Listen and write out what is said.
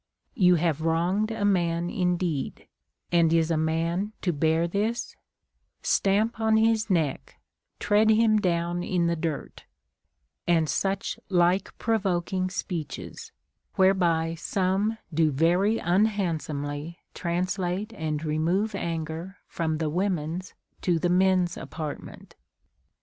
You have wronged a man indeed, and is a man to bear this 1 — Stamp on his neck, tread him down in the dirt, — and such like provoking speeches, Avhere 44 CONCERNING THE CURE OF ANGER. by some do very unhandsomely translate and remove anger from the Avomen's to the men's apartment.